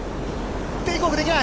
テイクオフできない。